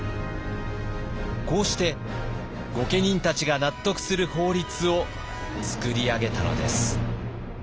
こうして御家人たちが納得する法律を作り上げたのです。